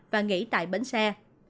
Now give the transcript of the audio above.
và nghỉ tại bến xe